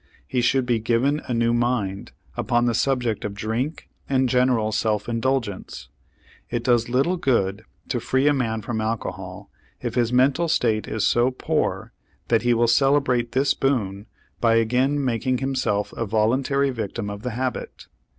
He should be "given a new mind" upon the subject of drink and general self indulgence. It does little good to free a man from alcohol if his mental state is so poor that he will celebrate this boon by again making himself a voluntary victim of the habit.